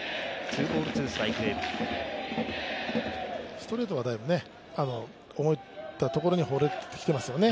ストレートはだいぶ思ったところに放れてきてますね